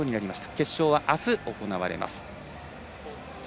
決勝は、あす行われます。